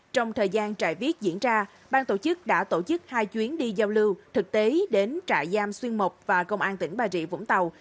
trong thời gian trại viết diễn ra bang tổ chức đã tổ chức hai chuyến đi giao lưu thực tế đến trại giam xuyên mộc và công an tỉnh bà rịa vũng tàu